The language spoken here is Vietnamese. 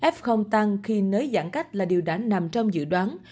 f tăng khi nới giãn cách là điều đã nằm trong dự đoán